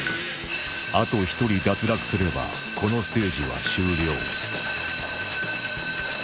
あと１人脱落すればこのステージは終了